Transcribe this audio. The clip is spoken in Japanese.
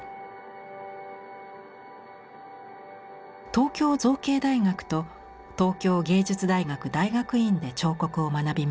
東京造形大学と東京藝術大学大学院で彫刻を学びます。